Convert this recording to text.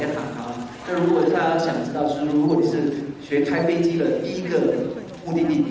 ทุกคนได้เห็นหัวมาตัวขนาดนี้กับชิคกี้พี